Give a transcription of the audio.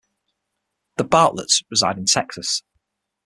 The Bartletts reside in Texas.